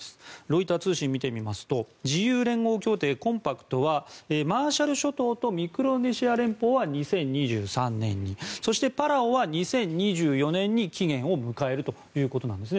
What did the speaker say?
ロイター通信を見てみますと自由連合協定・コンパクトはマーシャル諸島とミクロネシア連邦は２０２３年にそして、パラオは２０２４年に期限を迎えるということです。